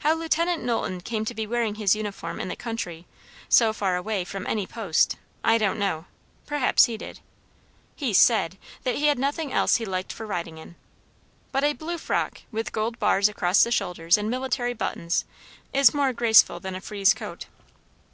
How Lieut. Knowlton came to be wearing his uniform in the country, so far away from any post, I don't know; perhaps he did. He said, that he had nothing else he liked for riding in. But a blue frock, with gold bars across the shoulders and military buttons, is more graceful than a frieze coat.